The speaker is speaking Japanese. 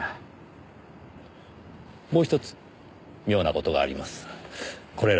もうひとつ妙な事があります。